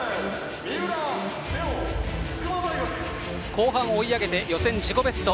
後半追い上げて予選、自己ベスト。